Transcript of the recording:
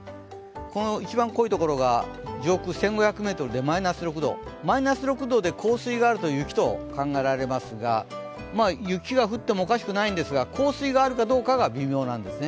一番濃いところが上空１５００ｍでマイナス６度、マイナス６度で降水があると、雪と考えられますが雪が降ってもおかしくないんですが、降水があるかどうかが微妙なんですね。